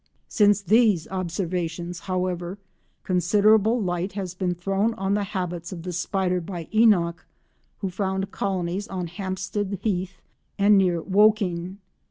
Since these observations, however, considerable light has been thrown on the habits of the spider by Enock, who found colonies on Hampstead Heath and near Woking.